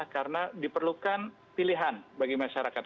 karena diperlukan pilihan bagi masyarakat